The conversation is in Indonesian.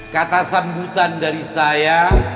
kata sambutan dari saya